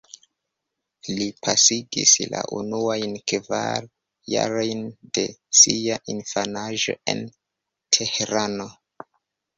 Li pasigis la unuajn kvar jarojn de sia infanaĝo en Tehrano.